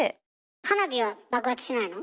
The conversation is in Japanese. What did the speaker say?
花火は爆発しないの？